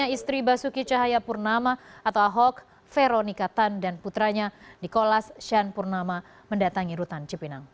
istri basuki cahayapurnama atau ahok veronika tan dan putranya nikolas shan purnama mendatangi rutan cipinang